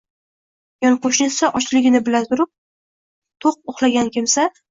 yon qo‘shnisi ochligini bila turib, to‘q uxlagan kimsa